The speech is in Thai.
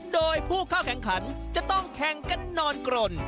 โดยผู้เข้าแข่งขันจะต้องแข่งกันนอนกรน